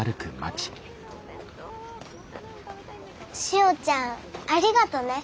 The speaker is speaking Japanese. しおちゃんありがとね。